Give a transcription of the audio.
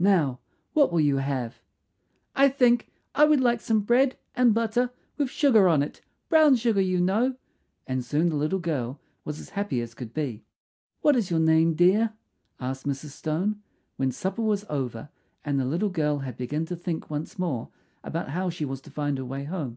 Now what will you have?" "I think I would like some bread and butter with sugar on it brown sugar, you know;" and soon the little girl was as happy as could be. "What is your name, dear?" asked Mrs. Stone, when supper was over and the little girl had begun to think once more about how she was to find her way home.